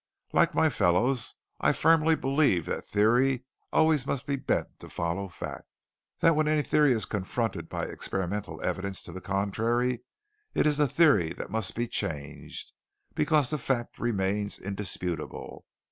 Like my fellows, I firmly believe that theory always must be bent to follow fact; that when any theory is confronted by experimental evidence to the contrary, it is the theory that must be changed, because the fact remains indisputable!